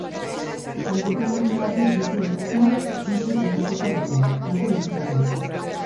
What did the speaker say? Konputagailu batek dituen datuak bit-ez osatuta daude, datu digitalak.